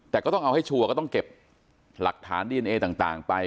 แต่ก็ต้องเอาให้ชัวร์ก็ต้องเก็บหลักฐานดีเอนเอต่างไป